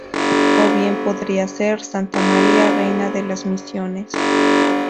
O bien podría ser ¡Santa María, reina de las misiones!